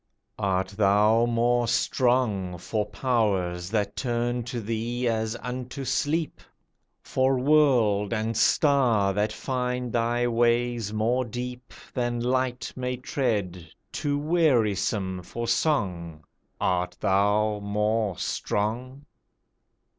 Art thou more strong For powers that turn to thee as unto sleep? For world and star that find thy ways more deep Than light may tread, too wearisome for song Art thou more strong?